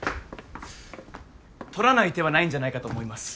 採らない手はないんじゃないかと思います